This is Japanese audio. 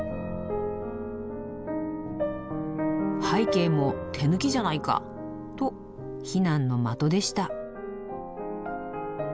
背景も手抜きじゃないか！と非難の的でした。